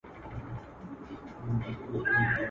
د زمانې له چپاوونو را وتلی چنار.